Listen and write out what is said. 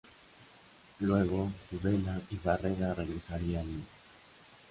Luego, Tudela y Barreda regresaría a Lima.